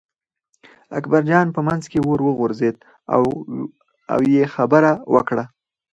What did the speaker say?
اکبرجان په منځ کې ور وغورځېد او یې خبره وکړه.